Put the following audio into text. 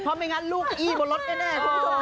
เพราะไม่งั้นลูกอี้บนรถแน่คุณผู้ชม